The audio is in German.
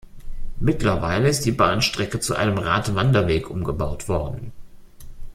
Mittlerweile ist die Bahnstrecke zu einem Radwanderweg umgebaut worden.